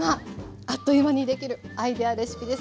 あっという間にできるアイデアレシピです。